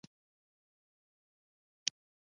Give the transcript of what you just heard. ایا مصنوعي ځیرکتیا د کنټرول له پولې نه اوړي؟